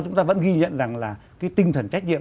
chúng ta vẫn ghi nhận rằng là cái tinh thần trách nhiệm